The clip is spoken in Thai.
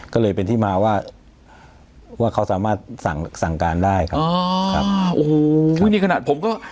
ก็เลยเป็นที่มาว่าว่าเขาสามารถสั่งสั่งการได้ครับอ๋อครับโอ้โหอุ้ยนี่ขนาดผมก็